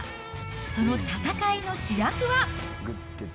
その戦いの主役は。